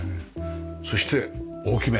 そして大きめ。